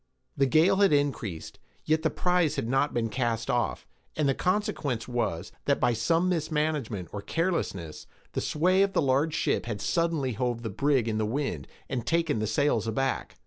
The gale had increased, yet the prize had not been cast off, and the consequence was, that by some mismanagement or carelessness, the sway of the large ship had suddenly hove the brig in the wind, and taken the sails aback.